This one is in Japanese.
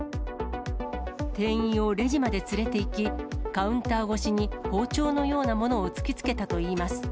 店員をレジまで連れていき、カウンター越しに包丁のようなものを突きつけたといいます。